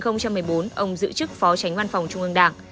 năm hai nghìn một mươi bốn ông giữ chức phó tránh văn phòng trung ương đảng